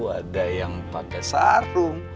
ada yang pake sarung